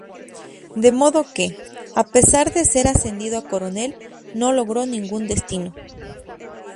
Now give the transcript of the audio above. De modo que, a pesar de ser ascendido a coronel, no logró ningún destino.